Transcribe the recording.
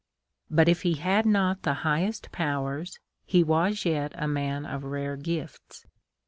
But if he had not the highest powers, he was yet a man of rare gifts.